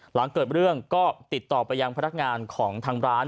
หลังเกิดเรื่องก็ติดต่อไปยังพนักงานของทางร้าน